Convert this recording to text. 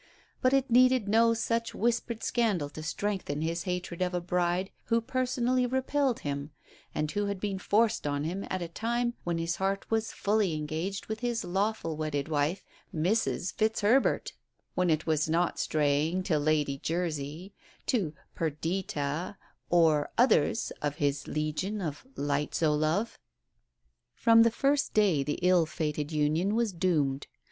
But it needed no such whispered scandal to strengthen his hatred of a bride who personally repelled him, and who had been forced on him at a time when his heart was fully engaged with his lawful wedded wife, Mrs Fitzherbert, when it was not straying to Lady Jersey, to "Perdita" or others of his legion of lights o' love. From the first day the ill fated union was doomed.